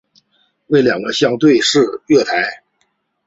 为两个相对式月台。